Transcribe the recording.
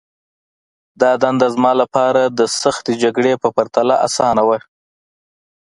دا دنده زما لپاره د سختې جګړې په پرتله آسانه وه